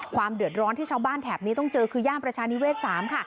ความเดือดร้อนที่ชาวบ้านแถบนี้ต้องเจอคือย่านประชานิเวศ๓ค่ะ